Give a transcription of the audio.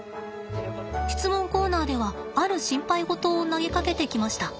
質問コーナーではある心配事を投げかけてきました。